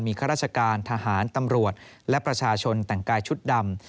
ข้าราชการทหารตำรวจและประชาชนแต่งกายชุดดำ